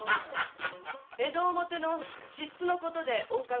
江戸表の支出のことでおうかがい致します。